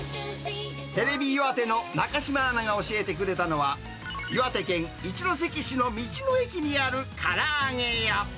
テレビ岩手の中島アナが教えてくれたのは、岩手県一関市の道の駅にあるからあげ家。